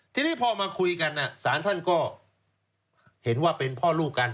ทีนี้พอมาคุยกันศาลท่านก็เห็นว่าเป็นพ่อลูกกัน